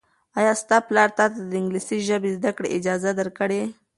ایا ستا پلار تاته د انګلیسي زده کړې اجازه درکوي؟